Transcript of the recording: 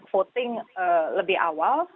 voting lebih awal